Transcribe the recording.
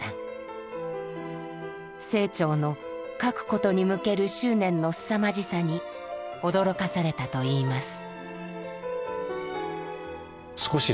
清張の書くことに向ける執念のすさまじさに驚かされたといいます。